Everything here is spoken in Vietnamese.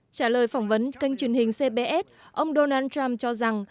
trả lời phỏng vấn kênh truyền hình cbs ông donald trump cho rằng